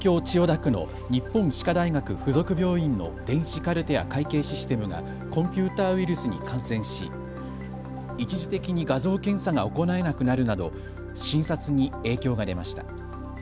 千代田区の日本歯科大学附属病院の電子カルテや会計システムがコンピューターウイルスに感染し一時的に画像検査が行えなくなるなど診察に影響が出ました。